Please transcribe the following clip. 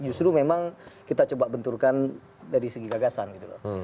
justru memang kita coba benturkan dari segi gagasan gitu loh